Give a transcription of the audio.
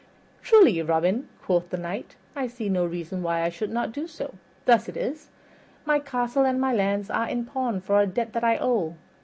"Truly, Robin," quoth the Knight, "I see no reason why I should not do so. Thus it is: My castle and my lands are in pawn for a debt that I owe.